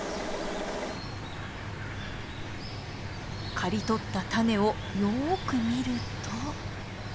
刈り取ったタネをよく見ると。